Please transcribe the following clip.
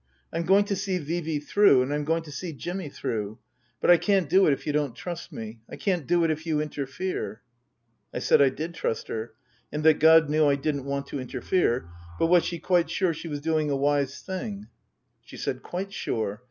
I'm going to see Vee Vee through, and I'm going to see Jimmy through ; but I can't do it if you don't trust me. I can't do it if you interfere." I said I did trust her, and that God knew I didn't want to interfere, but was she quite sure she was doing a wise thing ? She said, " Quite sure.